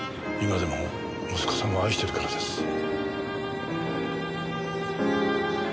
今でも息子さんを愛しているからです。